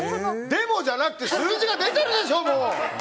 でもじゃなくて数字が出てるでしょ！